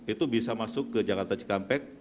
itu bisa masuk ke jakarta cikampek